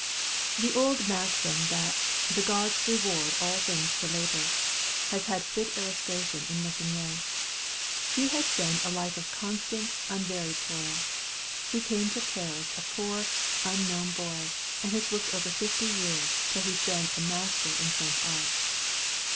The old maxim, that "the gods reward all things to labor," has had fit illustration in Meissonier. His has been a life of constant, unvaried toil. He came to Paris a poor, unknown boy, and has worked over fifty years, till he stands a master in French art.